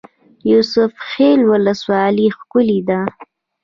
یوسف خیل ولسوالۍ ښکلې ده؟